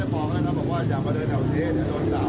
เขาจะบอกนะครับบอกว่าอยากมาเดินแถวเทศอยากโดนตาม